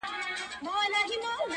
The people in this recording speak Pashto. هغه خو هغه کوي هغه خو به دی نه کوي